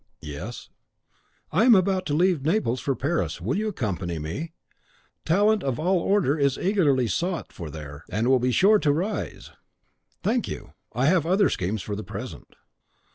"Yes." "I am about to leave Naples for Paris. Will you accompany me? Talent of all order is eagerly sought for there, and will be sure to rise." "I thank you; I have other schemes for the present."